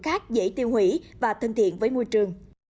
khác dễ tiêu hủy và thân thiện với môi trường